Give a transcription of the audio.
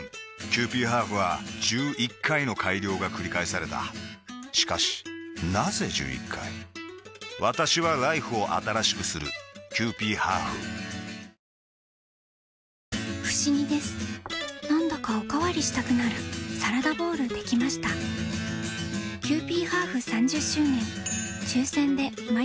キユーピーハーフは１１回の改良がくり返されたしかしなぜ１１回私はＬＩＦＥを新しくするキユーピーハーフふしぎですなんだかおかわりしたくなるサラダボウルできましたキユーピーハーフ３０周年